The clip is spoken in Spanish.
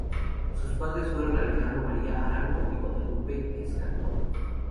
Sus padres fueron Alejandro María Arango y Guadalupe Escandón.